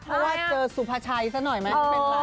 เพราะว่าเจอสุภาชัยซะหน่อยไหม